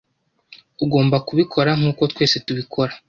Ugomba kubikora, nkuko twese tubikora.